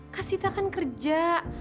kak sita kan kerja